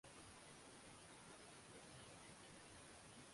ambao lugha yao imeathirika zaidi na Wakurya kutokana na kupakana nao